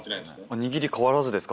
握り変わらずですか？